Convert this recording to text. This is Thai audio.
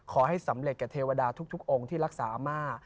อำมเลยว่าเพราะเทวดาทุกองค์ที่รักษาอำมา